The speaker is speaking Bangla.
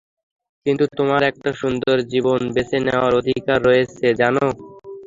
কিন্তু তোমার একটা সুন্দর জীবন বেছে নেওয়ার অধিকার রয়েছে, জানো?